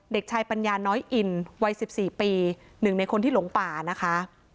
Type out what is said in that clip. เด็กชายปัญญาน้อยอินวัย๑๔ปี๑ในคนที่หลงป่านะคะ